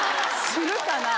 するかな？